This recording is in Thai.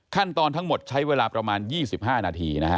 ขั้นตอนทั้งหมดใช้เวลาประมาณ๒๕นาทีนะฮะ